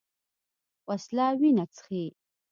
وسله وینه څښي